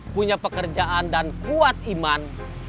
punya pekerjaan dan kuat iman